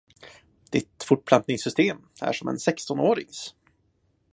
Ditt fortplantningssystemär som en sextonårings.